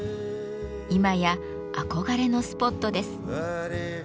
今や憧れのスポットです。